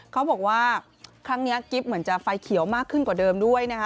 เขาบอกว่าครั้งนี้กิ๊บเหมือนจะไฟเขียวมากขึ้นกว่าเดิมด้วยนะคะ